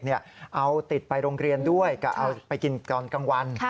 เอาติดไปโรงเรียนด้วยก็เอาไปกินตอนกลางวัน